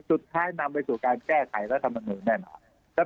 สุดท้ายนำไปสู่การแก้ไขรัฐมนุนแน่นอน